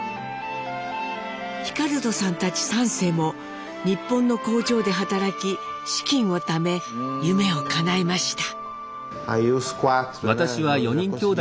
ヒカルドさんたち３世も日本の工場で働き資金をため夢をかなえました。